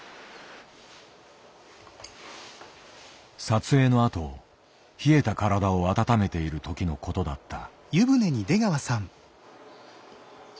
撮影のあと冷えた体を温めている時のことだった。